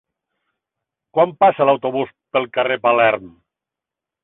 Quan passa l'autobús pel carrer Palerm?